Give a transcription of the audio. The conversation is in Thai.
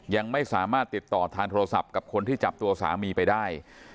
ยังไม่สามารถติดต่อทางโทรศัพท์กับคนที่จับตัวสามีไปได้